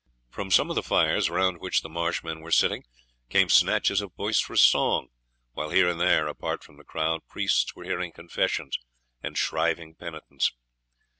From some of the fires, round which the marsh men were sitting, came snatches of boisterous song, while here and there, apart from the crowd, priests were hearing confessions, and shriving penitents.